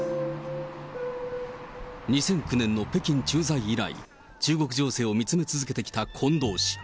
２００９年の北京駐在以来、中国情勢を見つめ続けてきた近藤氏。